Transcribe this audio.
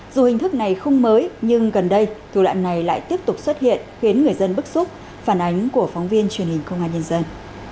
dù hình thức này không mới nhưng gần đây thủ đoạn này lại tiếp tục xuất hiện khiến người dân bức xúc phản ánh của phóng viên truyền hình công an nhân dân